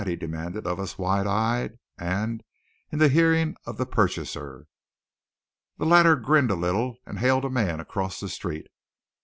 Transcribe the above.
he demanded of us wide eyed, and in the hearing of the purchaser. The latter grinned a little, and hailed a man across the street.